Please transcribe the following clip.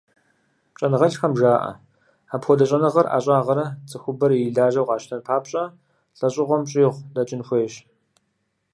Щӏэныгъэлӏхэм жаӏэ: апхуэдэ щӏэныгъэрэ ӏэщӏагъэрэ цӏыхубэр ирилажьэу къащтэн папщӏэ, лӏэщӏыгъуэм щӏигъу дэкӏын хуейщ.